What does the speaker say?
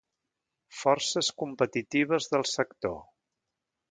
Forces competitives del sector.